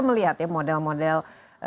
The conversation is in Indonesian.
melihat ya model model